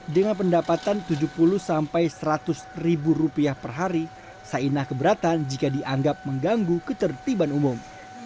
dengan pendapatan tujuh puluh sampai seratus ribu rupiah per hari saina keberatan jika dianggap mengganggu ketertiban umum